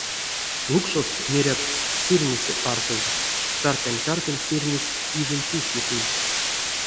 Лукшост, мерят, сырнесэ артозь, таркань-таркань сырнесь пижень тюсс ютыль.